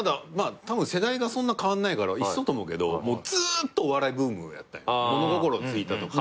世代がそんな変わんないから一緒だと思うけどずーっとお笑いブームやった物心ついたときから。